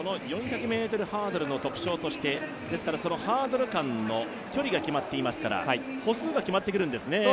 ４００ｍハードルの特徴としてハードル間の距離が決まっていますから歩数が決まってくるんですね。